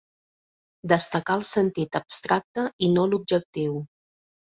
Destacar el sentit abstracte i no l'objectiu.